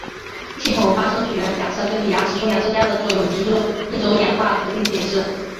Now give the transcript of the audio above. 系统发生学假设根据牙齿数量增加的作用提出一种演化途径解释。